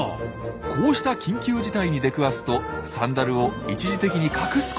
こうした緊急事態に出くわすとサンダルを一時的に隠すことがあるようなんです。